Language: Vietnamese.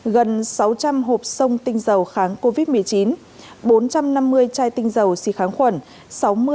gần sáu trăm linh hộp sông tinh dầu kháng covid một mươi chín bốn trăm năm mươi chai tinh dầu xì kháng khuẩn